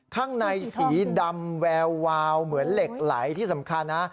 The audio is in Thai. ข้างในสีดำแวววาวเหมือนเหล็กไหลที่สำคัญนะ